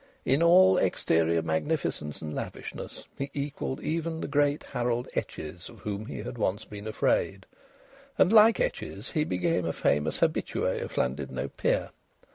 In all exterior magnificence and lavishness he equalled even the great Harold Etches, of whom he had once been afraid; and like Etches he became a famous habitué of Llandudno pier.